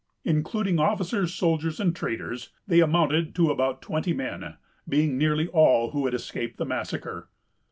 Including officers, soldiers, and traders, they amounted to about twenty men, being nearly all who had escaped the massacre.